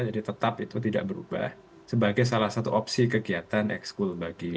jadi tetap itu tidak berubah sebagai salah satu opsi kegiatan ekskul bagi muda